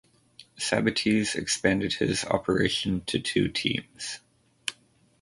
Sabates expanded his operation to two teams.